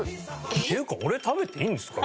っていうか俺食べていいんですか？